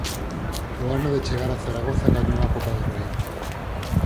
Ao ano de chegar a Zaragoza gañou a Copa do Rei.